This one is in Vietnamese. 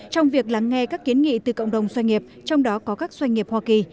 trong việc lắng nghe các kiến nghị từ cộng đồng doanh nghiệp trong đó có các doanh nghiệp hoa kỳ